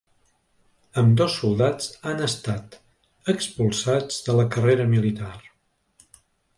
Ambdós soldats han estat expulsats de la carrera militar.